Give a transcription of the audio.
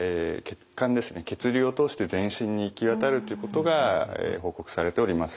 血流を通して全身に行き渡るということが報告されております。